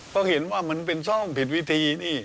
เพราะเห็นว่ามันเป็นช่องผิดวิธีนี่